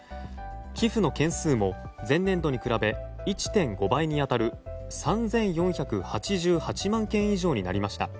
寄付の件数も前年度に比べ１．５倍に当たる３４８８万件以上になりました。